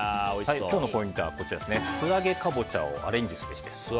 今日のポイントは素揚げカボチャをアレンジすべしです。